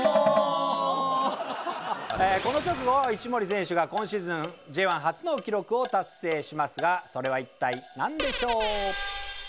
この直後一森選手が今シーズンＪ１初の記録を達成しますがそれは一体なんでしょう？